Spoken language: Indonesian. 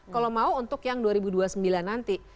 kalau mau untuk yang dua ribu dua puluh sembilan nanti